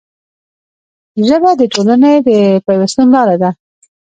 ژبه د ټولنې د پیوستون لاره ده